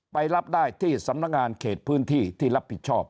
รับได้ที่สำนักงานเขตพื้นที่ที่รับผิดชอบ